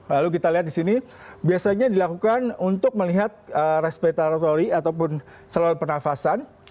lalu kita lihat di sini biasanya dilakukan untuk melihat respitaratory ataupun saluran pernafasan